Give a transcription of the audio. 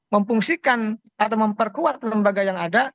memfungsikan atau memperkuat lembaga yang ada